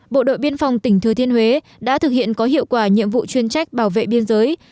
bộ đội biên phòng tỉnh thừa thiên huế đã thực hiện có hiệu quả nhiệm vụ chuyên trách bảo vệ biên giới